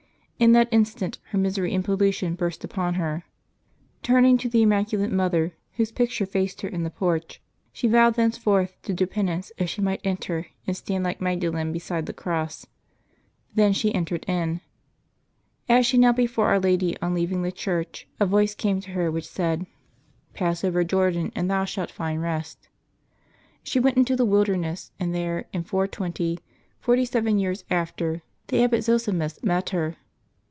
In that instant her misery and pollution burst upon her. Turning to the Immaculate Mother, whose picture faced her in the porch, she vowed thenceforth to do penance if she might enter and stand like Magdalen beside the Cross. Then she entered in. As she knelt before Our Lady on leaving the church, a voice came to her which said, " Pass April 9] LIVES OF TEE SAINTS 141 over Jordan, and thou shalt find rest." She went into the wilderness, and there, in 420, forty seven years after, the Abbot Zosimus met her.